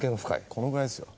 このぐらいですよ。